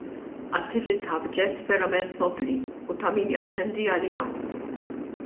Attività b'ġest verament nobbli u ta' min jattendi għaliha.